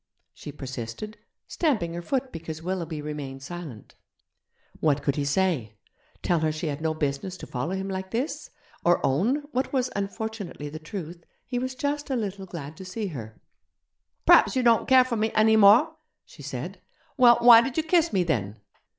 she persisted, stamping her foot because Willoughby remained silent. What could he say? Tell her she had no business to follow him like this; or own, what was, unfortunately, the truth, he was just a little glad to see her? 'Praps you don't care for me any more?' she said. 'Well, why did you kiss me, then?'